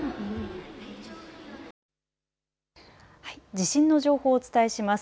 地震の情報をお伝えします。